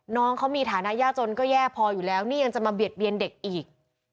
น้องเขามีฐานะยากจนก็แย่พออยู่แล้วนี่ยังจะมาเบียดเบียนเด็กอีก